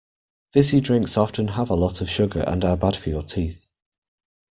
Fizzy drinks often have a lot of sugar and are bad for your teeth